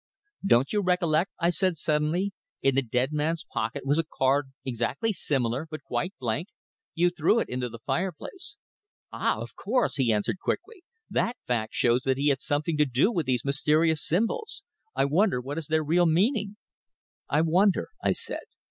"Don't you recollect," I said suddenly, "in the dead man's pocket was a card exactly similar, but quite blank. You threw it into the fireplace." "Ah! of course," he answered quickly. "That fact shows that he had something to do with these mysterious symbols. I wonder what is their real meaning." "I wonder," I said.